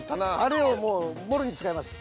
あれをもうもろに使います。